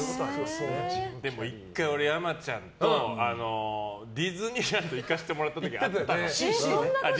でも１回、やまちゃんとディズニーランド行かせてもらった時があったの。